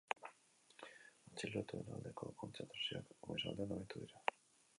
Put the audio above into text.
Atxilotuen aldeko kontzentrazioak goizaldean amaitu dira.